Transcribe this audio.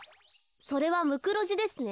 それはムクロジですね。